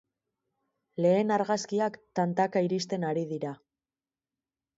Lehen argazkiak tantaka iristen ari dira.